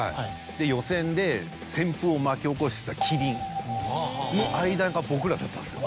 で予選で旋風を巻き起こした麒麟。の間が僕らだったんですよ。